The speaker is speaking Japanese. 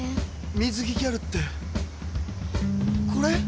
水着ギャルってこれ？